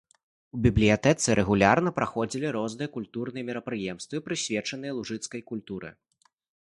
У бібліятэцы рэгулярна праходзілі розныя культурныя мерапрыемствы, прысвечаныя лужыцкай культуры.